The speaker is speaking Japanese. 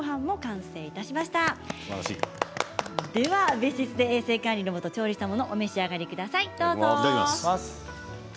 では別室で衛生管理のもと調理したものをお召し上がりください。